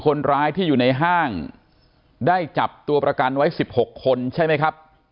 คนร้ายที่อยู่ในห้างได้จับตัวประกันไว้๑๖คนใช่ไหมครับ